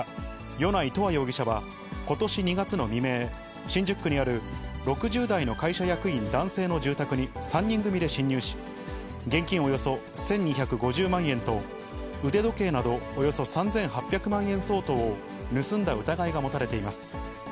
米内永遠容疑者は、ことし２月の未明、新宿区にある６０代の会社役員男性の住宅に３人組で侵入し、現金およそ１２５０万円と腕時計などおよそ３８００万円相当を盗んだ疑いが持たれています。